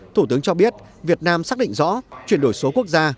thủ tướng cho biết việt nam xác định rõ chuyển đổi số quốc gia